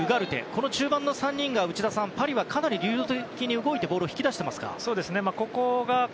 この中盤の３人がパリはかなり流動的に動いて、ボールを引き出していますか？